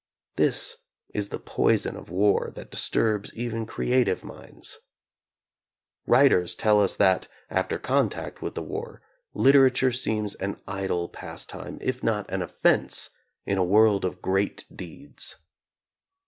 This is the poison of war that disturbs even creative minds. Writ ers tell us that, after contact with the war, litera ture seems an idle pastime, if not an offense, in a world of great deeds.